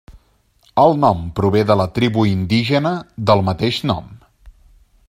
El nom prové de la tribu indígena del mateix nom.